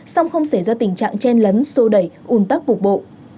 song không xảy ra tình trạng chen lấn sô đẩy un tắc vụt bộ